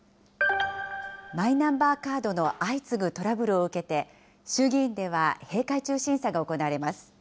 マイナンバーカードの相次ぐトラブルを受けて、衆議院では閉会中審査が行われます。